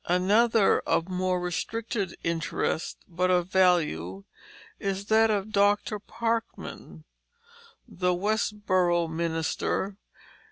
Another of more restricted interest, but of value, is that of Dr. Parkman, the Westborough minister.